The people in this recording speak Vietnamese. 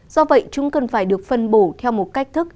do vậy chúng cần phải được phân bổ theo một cách thức